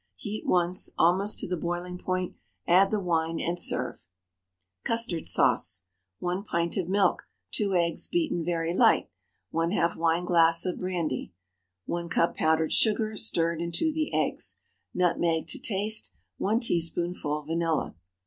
Heat once, almost to the boiling point, add the wine, and serve. CUSTARD SAUCE. 1 pint of milk. 2 eggs, beaten very light. ½ wineglass of brandy. 1 cup powdered sugar, stirred into the eggs. Nutmeg to taste. 1 teaspoonful vanilla.